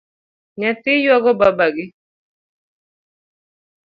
Nyathi yuago babagi?